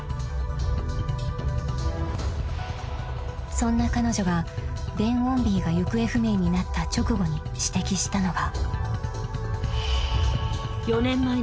［そんな彼女がベン・オンビーが行方不明になった直後に指摘したのが］